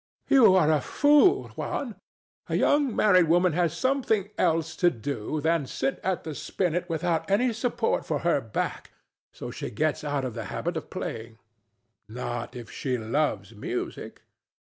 ANA. You are a fool, Juan. A young married woman has something else to do than sit at the spinet without any support for her back; so she gets out of the habit of playing. DON JUAN. Not if she loves music.